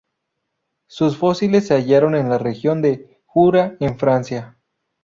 Sus fósiles se hallaron en la región de Jura en Francia.